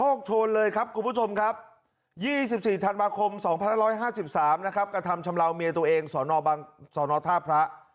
วันนี้เลยครับกลุ่มผู้ชมครับ๒๔ธันมาคม๒๕๓นะครับกระทำชำระวเมียตัวเองสนท่าพระ